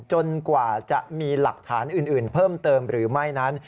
กว่าจะมีหลักฐานอื่นเพิ่มเติมหรือไม่นั้น